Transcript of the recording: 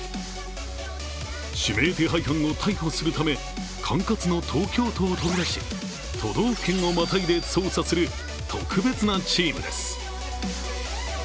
指名手配犯を逮捕するため管轄の東京都を飛び出し都道府県をまたいで捜査する特別なチームです。